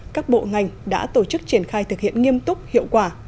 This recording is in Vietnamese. các bộ ngành đã tổ chức triển khai thực hiện nghiêm túc hiệu quả